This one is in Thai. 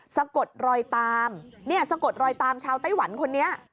สะกดรอยตามเนี่ยสะกดรอยตามชาวไต้หวันคนนี้